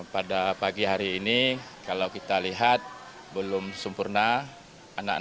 pada pagi hari ini kalau kita lihat belum sempurna